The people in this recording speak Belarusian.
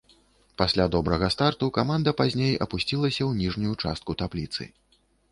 Пасля добрага старту каманда пазней апусцілася ў ніжнюю частку табліцы.